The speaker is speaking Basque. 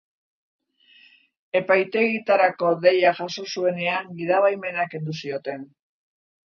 Epaiketarako deia jaso zuenean, gidabaimena kendu zioten.